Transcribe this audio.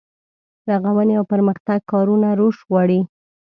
رغونې او پرمختګ کارونه روش غواړي.